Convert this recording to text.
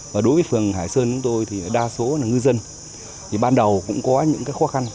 đối với phường hải sơn đa số là ngư dân ban đầu cũng có những khó khăn